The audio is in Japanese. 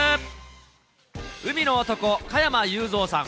海の男、加山雄三さん。